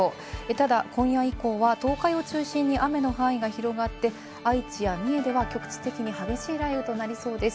ただ、今夜以降は東海を中心に雨の範囲が広がって、愛知や三重では局地的に激しい雷雨となりそうです。